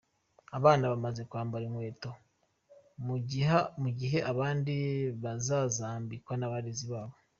Abana bamaze kwambara inkweto mu giha abandi bazazambikwa n'abarezi babo.